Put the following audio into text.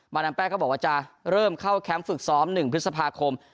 ดามแป้งก็บอกว่าจะเริ่มเข้าแคมป์ฝึกซ้อม๑พฤษภาคม